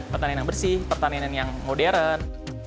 pertanian yang bersih pertanian yang modern